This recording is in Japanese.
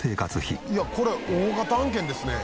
いやこれ大型案件ですね。